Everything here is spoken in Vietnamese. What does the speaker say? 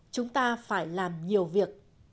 chúng ta phải làm nhiều việc